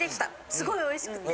すごいおいしくて。